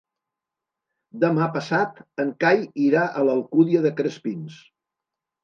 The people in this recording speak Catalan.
Demà passat en Cai irà a l'Alcúdia de Crespins.